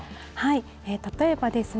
例えばですね